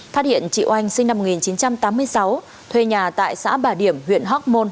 phát hiện chị oanh sinh năm một nghìn chín trăm tám mươi sáu thuê nhà tại xã bà điểm huyện hóc môn